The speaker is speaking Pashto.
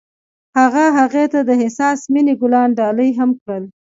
هغه هغې ته د حساس مینه ګلان ډالۍ هم کړل.